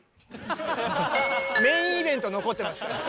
メインイベント残ってますから。